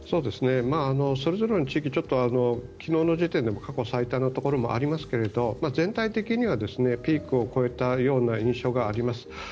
それぞれの地域昨日の時点でも過去最多のところもありますが全体的にはピークを越えたような印象があります。